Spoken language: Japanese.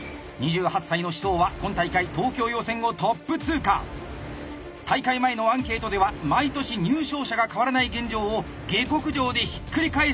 ２８歳の紫桃は今大会大会前のアンケートでは毎年入賞者が変わらない現状を下克上でひっくり返すと宣言！